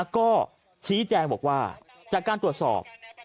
ก็ชี้แจงบอกว่าจากการตรวจสอบ